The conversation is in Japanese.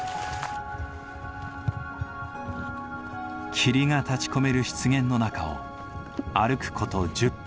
霧が立ちこめる湿原の中を歩く事１０分。